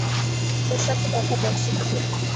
তোর সাথে কথা বলছি না।